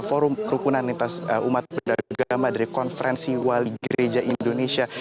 forum kerukunan lintas umat beragama dari konferensi wali gereja indonesia